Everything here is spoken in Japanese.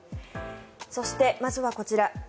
そして、まずはこちら。